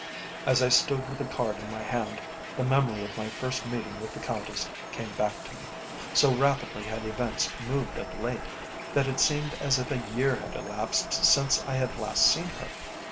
As I stood with the card in my hand, the memory of my first meeting with the Countess came back to me. So rapidly had events moved of late, that it seemed as if a year had elapsed since I had last seen her.